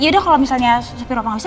yaudah kalau misalnya sopir papa gak bisa